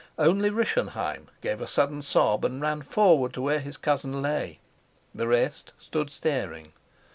Only Rischenheim gave a sudden sob and ran forward to where his cousin lay. The rest stood staring.